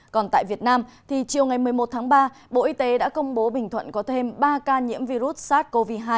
còn tại việt nam thì chiều ngày một mươi một tháng ba bộ y tế đã công bố bình thuận có thêm ba ca nhiễm virus sars cov hai